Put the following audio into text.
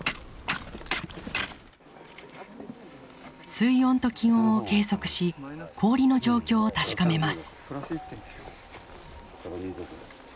水温と気温を計測し氷の状況を確かめます。